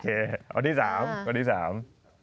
โอเคอันที่สามอันที่สาม